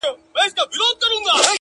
گرانې راته راکړه څه په پور باڼه